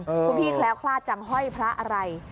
คุณพี่แคล้วคลาดจังห้อยพระอะไร